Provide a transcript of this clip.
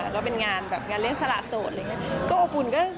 ก็เป็นงานแบบงานเล่นสละโสดอะไรอย่างนี้